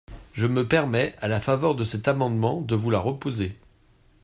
Je me permets, à la faveur de cet amendement, de vous la reposer.